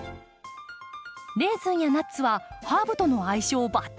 レーズンやナッツはハーブとの相性バッチリ！